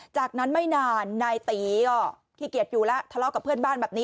จากนั้นไม่นานนายตีก็ขี้เกียจอยู่แล้ว